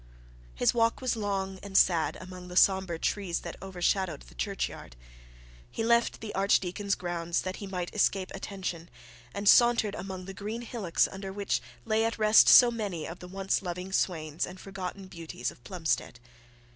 His walk was long and sad among the sombre trees that overshadowed the churchyard. He left the archdeacon's grounds that he might escape attention, and sauntered among the green hillocks under which lay at rest so many of the once loving swains and forgotten beauties of Plumstead.